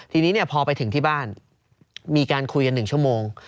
ทีนี้พอไปถึงที่บ้านมีการคุยกัน๑ชั่วโมง